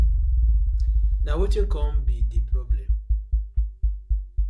Na wetin com bi di problem.